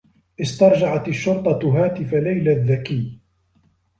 استرجعت الشّرطة هاتف ليلى الذّكي.